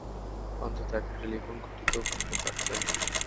অন্তত একটি টেলিফোন খুঁটি তো করতে পারতেন।